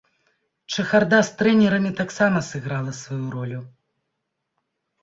Чахарда з трэнерамі таксама сыграла сваю ролю.